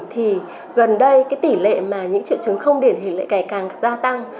thì gần đây tỷ lệ mà những triệu chứng không điển hình lại càng càng gia tăng